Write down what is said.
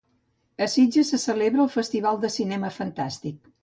A Sitges se celebra el festival de cinema fantàstic.